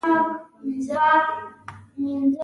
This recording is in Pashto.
میرويس وپوښتل د ګرګین قوماندانانو سره څوک شناخت لري؟